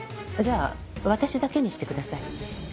じゃあ私だけにしてください。